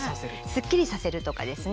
すっきりさせるとかですね。